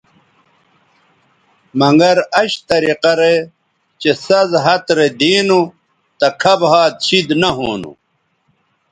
مگر اش طریقہ رے چہء سَز ھَت رے دی نو تہ کھب ھَات شید نہ ھونو